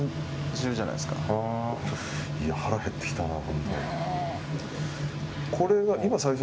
腹減ってきたな。